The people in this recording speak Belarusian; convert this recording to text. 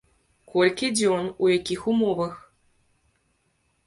Колькі дзён, у якіх умовах?